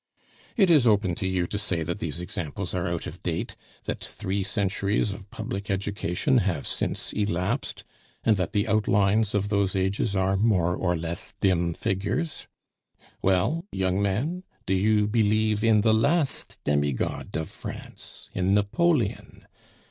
It is open to you to say that these examples are out of date, that three centuries of public education have since elapsed, and that the outlines of those ages are more or less dim figures. Well, young man, do you believe in the last demi god of France, in Napoleon?